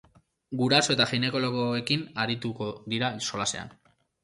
Guraso eta ginekologoekin arituko dira solasean.